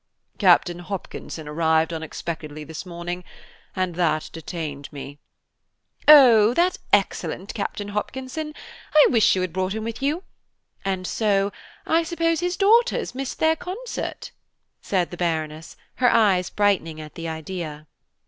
"Captain Hopkinson arrived unexpectedly this morning, and that detained me." "Oh! that excellent Captain Hopkinson. I wish you had brought him with you. And so I suppose his daughters missed their concert," said the Baroness, her eyes brightening at the idea.